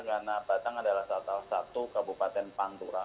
karena batang adalah salah satu kabupaten pantura